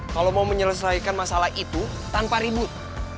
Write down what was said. kalau mau menyelesaikan masalah itu tanpa ribut